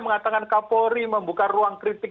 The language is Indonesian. mengatakan kapolri membuka ruang kritik